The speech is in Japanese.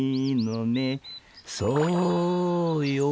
「そうよ